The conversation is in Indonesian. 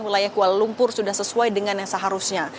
wilayah kuala lumpur sudah sesuai dengan yang seharusnya